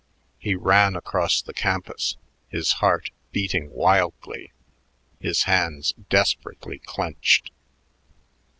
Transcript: He ran across the campus, his heart beating wildly, his hands desperately clenched.